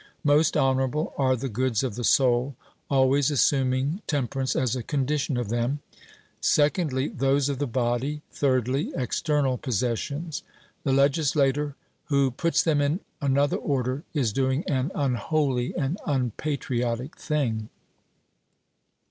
Most honourable are the goods of the soul, always assuming temperance as a condition of them; secondly, those of the body; thirdly, external possessions. The legislator who puts them in another order is doing an unholy and unpatriotic thing.